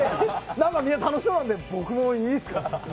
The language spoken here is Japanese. みんな楽しそうなんで僕もいいですか？